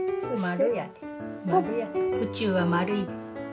宇宙は丸い。